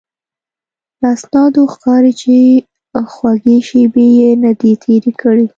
له اسنادو ښکاري چې خوږې شپې یې نه دي تېرې کړې.